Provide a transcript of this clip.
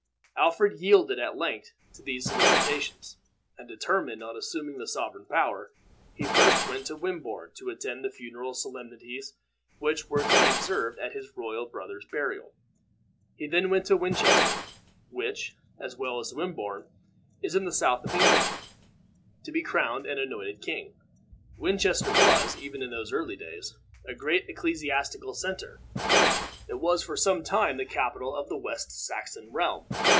Alfred yielded at length to these solicitations, and determined on assuming the sovereign power. He first went to Wimborne to attend to the funeral solemnities which were to be observed at his royal brother's burial. He then went to Winchester, which, as well as Wimborne, is in the south of England, to be crowned and anointed king. Winchester was, even in those early days, a great ecclesiastical center. It was for some time the capital of the West Saxon realm.